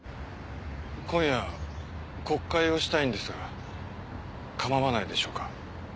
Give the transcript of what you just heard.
今夜告解をしたいんですがかまわないでしょうか？